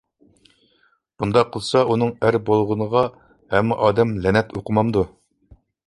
بۇنداق قىلسا ئۇنىڭ ئەر بولغىنىغا ھەممە ئادەم لەنەت ئوقۇمامدۇ؟